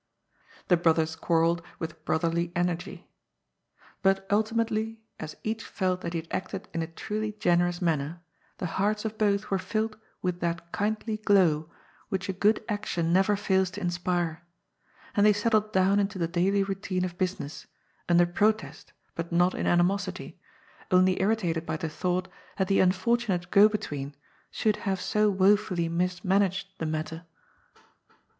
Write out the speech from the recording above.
The brothers quarrelled with brotherly energy. But ultimately, as each felt that he had acted in a truly generous manner, the hearts of both were filled with that kindly glow which a good action never fails to inspire, and they settled down into the daily routine of business, under protest, but not in animosity, only irritated by the thought that the unfortunate go between should have so woefully mismanaged the matter.